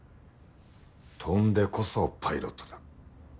飛んでこそパイロットだ。